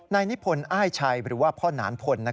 นิพนธ์อ้ายชัยหรือว่าพ่อหนานพล